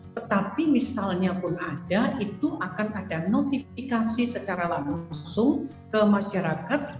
tetapi misalnya pun ada itu akan ada notifikasi secara langsung ke masyarakat